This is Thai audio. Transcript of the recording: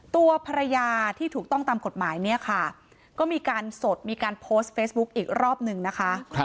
ตัวภรรยาที่ถูกต้องตามกฎหมายเนี่ยค่ะก็มีการสดมีการโพสต์เฟซบุ๊กอีกรอบหนึ่งนะคะ